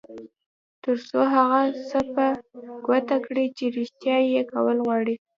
تر څو هغه څه په ګوته کړئ چې رېښتيا یې کول غواړئ.